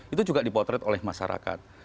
itu juga dipotret oleh masyarakat